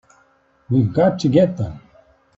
We've got to get to them!